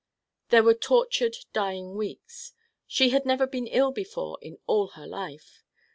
There were tortured dying weeks. She had never been ill before in all her life.